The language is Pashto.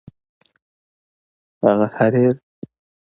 هغه حریر